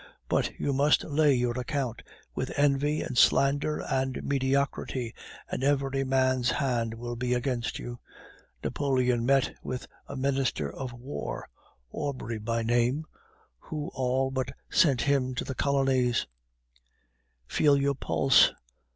But you must lay your account with envy and slander and mediocrity, and every man's hand will be against you. Napoleon met with a Minister of War, Aubry by name, who all but sent him to the colonies. "Feel your pulse.